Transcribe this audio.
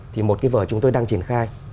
thì một cái vở chúng tôi đang triển khai